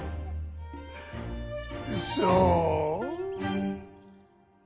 そう？